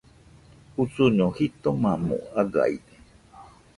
Usuño jitomamo agaide.